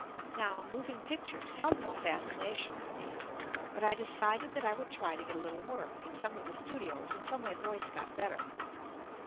Now moving pic tures held no fascination for me, but I decided that I would try to get a little work in some of the studios until my voice got better.